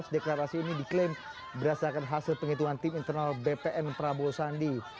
deklarasi ini diklaim berdasarkan hasil penghitungan tim internal bpn prabowo sandi